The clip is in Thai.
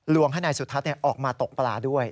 ให้นายสุทัศน์ออกมาตกปลาด้วย